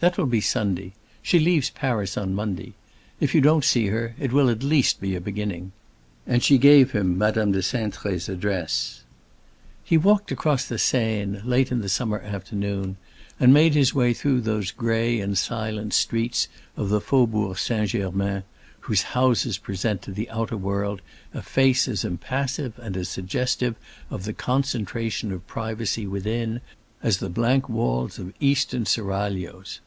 That will be Sunday; she leaves Paris on Monday. If you don't see her; it will at least be a beginning." And she gave him Madame de Cintré's address. He walked across the Seine, late in the summer afternoon, and made his way through those gray and silent streets of the Faubourg St. Germain whose houses present to the outer world a face as impassive and as suggestive of the concentration of privacy within as the blank walls of Eastern seraglios.